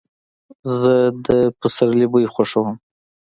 زه د سپرلي بوی خوښوم.